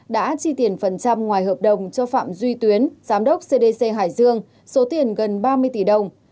đã chi tiền phần trăm ngoài hợp đồng cho phạm duy tuyến giám đốc cdc hải dương số tiền gần ba mươi tỷ đồng